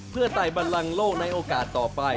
เพื่อไต่บันลังโลกในโอกาสต่อไป